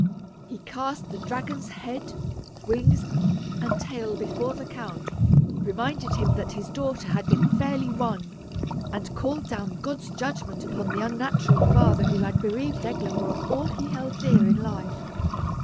He cast the dragon's head, wings, and tail before the count, reminded him that his daughter had been fairly won, and called down God's judgment upon the unnatural father who had bereaved Eglamour of all he held dear in life.